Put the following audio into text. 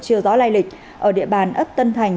chưa rõ lai lịch ở địa bàn ấp tân thành